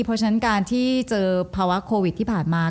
เพราะฉะนั้นการที่เจอภาวะโควิดที่ผ่านมา